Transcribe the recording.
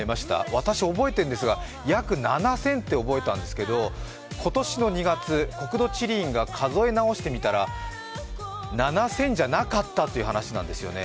私、覚えてるんですが、約７０００って覚えたんですけど、今年の２月、国土地理院が数え直してみたら７０００じゃなかったという話なんですよね。